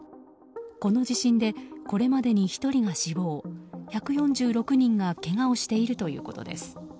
この地震でこれまでに１人が死亡１４６人がけがをしているということです。